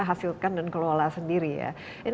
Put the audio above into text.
hasilkan dan kelola sendiri ya